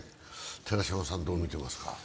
寺島さんどうみてますか。